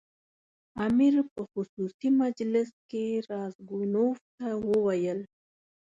امیر په خصوصي مجلس کې راسګونوف ته وویل.